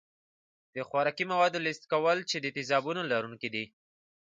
د خوراکي موادو لست کول چې د تیزابونو لرونکي دي.